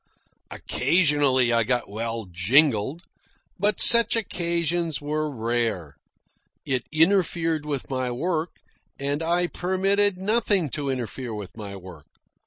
Occasionally I got well jingled, but such occasions were rare. It interfered with my work, and I permitted nothing to interfere with my work.